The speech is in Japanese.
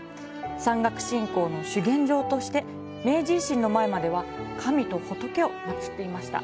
山岳信仰の修験場として明治維新の前までは、神と仏を祭っていました。